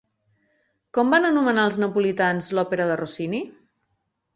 Com van anomenar els napolitans l'òpera de Rossini?